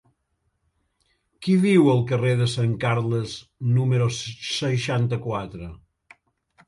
Qui viu al carrer de Sant Carles número seixanta-quatre?